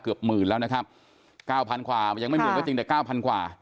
เกือบหมื่นแล้วนะครับ๙๐๐๐ขวายังไม่เหมือนกับจริงแต่๙๐๐๐ขวา